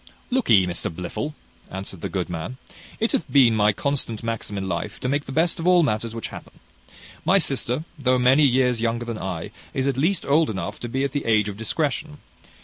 "Look'ee, Mr Blifil," answered the good man, "it hath been my constant maxim in life to make the best of all matters which happen. My sister, though many years younger than I, is at least old enough to be at the age of discretion.